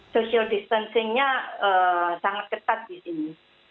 social distancing nya sangat ketat di sini